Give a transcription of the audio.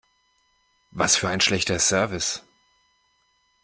Was für ein schlechter Service!